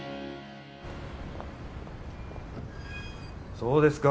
そうですか